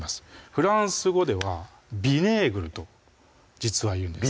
フランス語ではヴィネーグルと実はいうんです